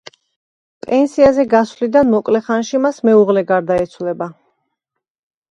პენსიაზე გასვლიდან მოკლე ხანში მას მეუღლე გარდაეცვლება.